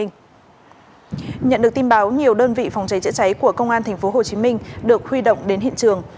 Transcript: nhận được tin báo nhiều đơn vị phòng cháy chữa cháy của công an tp hcm được huy động đến hiện trường